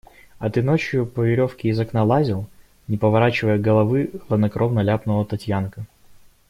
А ты ночью по веревке из окна лазил, – не поворачивая головы, хладнокровно ляпнула Татьянка.